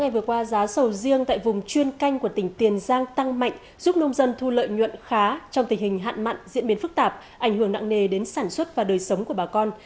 vừa qua giá sầu riêng tại vùng chuyên canh của tỉnh tiền giang tăng mạnh giúp nông dân thu lợi nhuận khá trong tình hình hạn mặn diễn biến phức tạp ảnh hưởng nặng nề đến sản xuất và đời sống của bà con